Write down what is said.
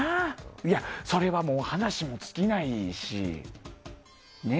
いや、それはもう話も尽きないし。